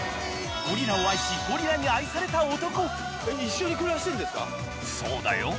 ゴリラを愛しゴリラに愛された男。